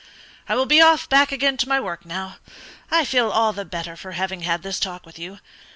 I will be off back again to my work now; I feel all the better for having had this talk with you.